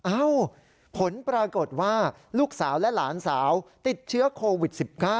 เอ้าผลปรากฏว่าลูกสาวและหลานสาวติดเชื้อโควิด๑๙